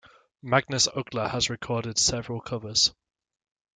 Magnus Uggla has recorded several covers.